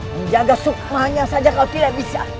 menjaga sukmanya saja kalau tidak bisa